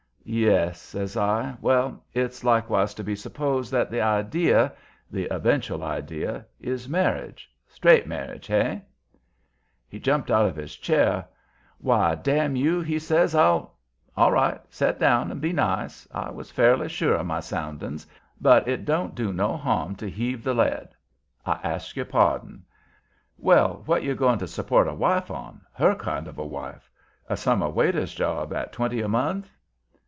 "Yes," says I. "Well, it's likewise to be supposed that the idea the eventual idea is marriage, straight marriage, hey?" He jumped out of his chair. "Why, damn you!" he says. "I'll " "All right. Set down and be nice. I was fairly sure of my soundings, but it don't do no harm to heave the lead. I ask your pardon. Well, what you going to support a wife on her kind of a wife? A summer waiter's job at twenty a month?"